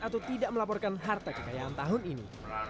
atau tidak melaporkan harta kekayaan tahun ini